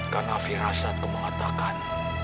karena firasatku mengatakan